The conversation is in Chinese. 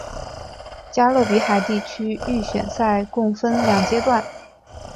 加勒比海地区预选赛共分两阶段。